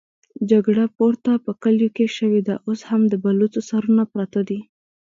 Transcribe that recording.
جګړه پورته په کليو کې شوې ده، اوس هم د بلوڅو سرونه پراته دي.